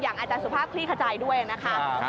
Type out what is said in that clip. และสภาพคลี่ขจายด้วยเนอะค่ะ